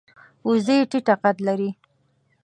وزې ټیټه قد لري